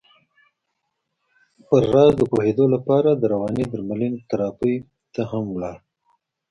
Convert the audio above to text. پر راز د پوهېدو لپاره د روانې درملنې تراپۍ ته هم ولاړ.